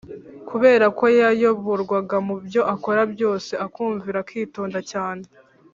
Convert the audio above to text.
Kubera ko yayoborwaga mu byo akora byose akumvira akitonda cyane,